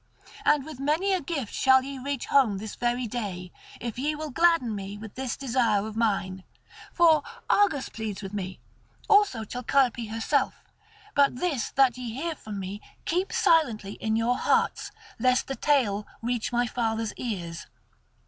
And with many a gift shall ye reach home this very day, if ye will gladden me with this desire of mine. For Argus pleads with me, also Chalciope herself; but this that ye hear from me keep silently in your hearts, lest the tale reach my father's ears.